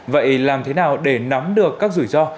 vậy làm thế nào để nắm được các rủi ro